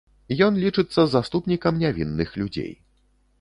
Ён лічыцца заступнікам нявінных людзей.